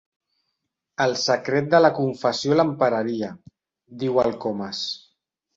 El secret de la confessió l'empararia —diu el Comas.